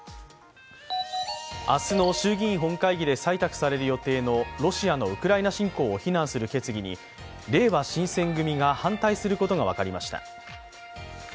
明日の衆議院本会議で採択される予定のロシアのウクライナ侵攻を非難する決議にれいわ新選組が反対することが分かりました。